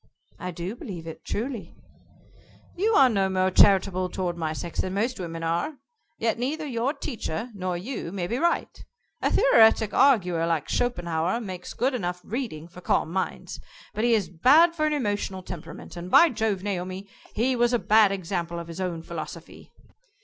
"I do believe it, truly." "You are no more charitable toward my sex than most women are. Yet neither your teacher nor you may be right. A theoretic arguer like Schopenhauer makes good enough reading for calm minds, but he is bad for an emotional temperament, and, by Jove, Naomi, he was a bad example of his own philosophy."